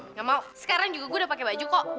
nggak mau sekarang juga gue udah pakai baju kok